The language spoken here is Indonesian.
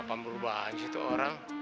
apa merubahannya sih itu orang